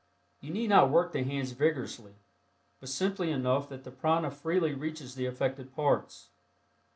You need not work the hands vigorously, but simply enough that the prana freely reaches the affected parts.